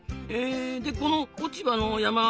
でこの落ち葉の山